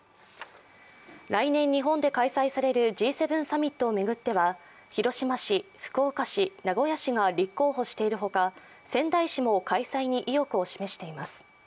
来年日本で開催されるＧ７サミットを巡っては広島市、福岡市、名古屋市が立候補しているほか、仙台市も開催に意欲を示しています。